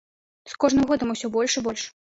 З кожным годам усё больш і больш.